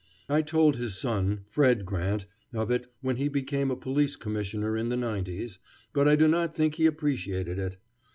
I told his son, Fred Grant, of it when he became a Police Commissioner in the nineties, but I do not think he appreciated it.